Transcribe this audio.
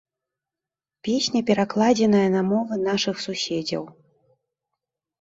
Песня перакладзеная на мовы нашых суседзяў.